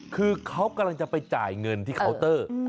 คือเขากำลังจะไปจ่ายเงินที่เคาน์เตอร์